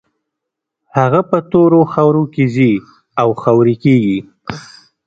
هغه په تورو خاورو کې ځي او خاورې کېږي.